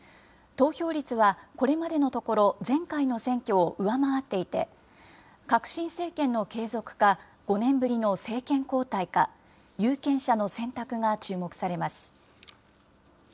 投票率はこれまでのところ前回の選挙を上回っていて、革新政権の継続か、５年ぶりの政権交代か、有権者の選択が注目されます。